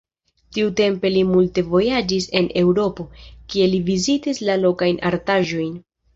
Tiutempe li multe vojaĝis en Eŭropo, kie li vizitis la lokajn artaĵojn.